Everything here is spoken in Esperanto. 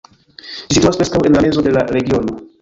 Ĝi situas preskaŭ en la mezo de la regiono.